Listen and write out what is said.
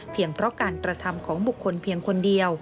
เพียงเพราะการตรธรรมของบุคคลเพียงคนเดียว